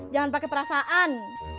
jangan pake perasaan